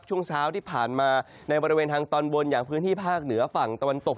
ช่วงเช้าที่ผ่านมาในบริเวณทางตอนบนอย่างพื้นที่ภาคเหนือฝั่งตะวันตก